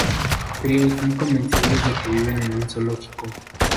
El trio están convencidos de que viven en un zoológico.